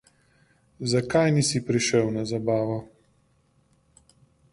Zakaj nisi prišla na zabavo?